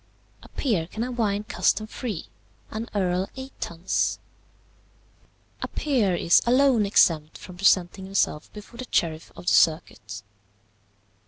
"A peer can have wine custom free; an earl eight tuns. "A peer is alone exempt from presenting himself before the sheriff of the circuit.